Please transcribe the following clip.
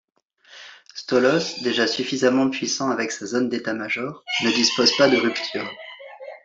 Stolos, déjà suffisamment puissant avec sa zone d'État-Major, ne dispose pas de Rupture.